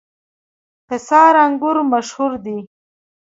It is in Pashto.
قیصار انګور مشهور دي؟